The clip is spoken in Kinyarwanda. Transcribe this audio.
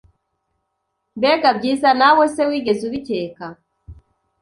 Mbega byiza nawe se wigeze ubikeka?